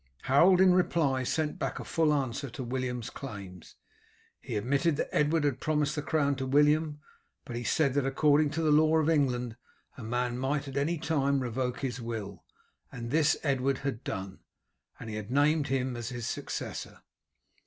Harold in reply sent back a full answer to William's claims. He admitted that Edward had promised the crown to William, but he said that according to the law of England a man might at any time revoke his will, and this Edward had done, and had named him as his successor.